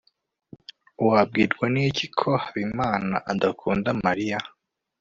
wabwirwa n'iki ko habimana adakunda mariya